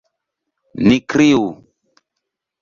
Ni kriu!